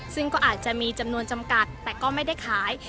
ซึ่งก็อาจจะมีจำนวนจำกัดแต่ก็ไม่ได้ขาย